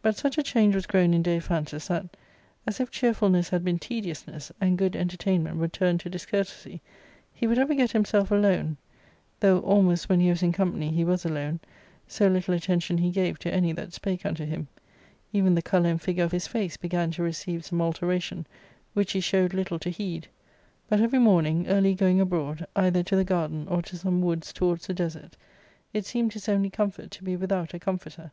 But such a change was grown in Daiphantus that, as i& cheerfulness had been tediousness, anrf good entertainment were turned to discourtesy, he would ever get himself alone, though almost when he was in company he was alone, so little attention he gave to any that spake unto him ; even. 9 the colour and figure of his face began to receive some altera tion, which he showed little to heed ; but every morning, early going abroad, pither to the garden or to some woods towards the desert, it seemed his only comfort to be without a comforter.